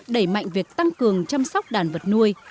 đẩy mạnh việc tăng cường chăm sóc đàn vật nuôi